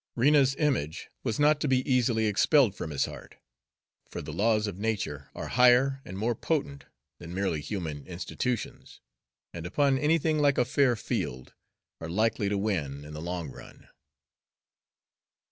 Rena's image was not to be easily expelled from his heart; for the laws of nature are higher and more potent than merely human institutions, and upon anything like a fair field are likely to win in the long ran.